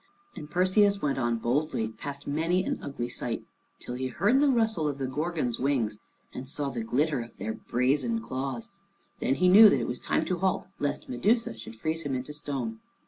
And Perseus went on boldly, past many an ugly sight, till he heard the rustle of the Gorgons' wings and saw the glitter of their brazen claws. Then he knew that it was time to halt, lest Medusa should freeze him into stone.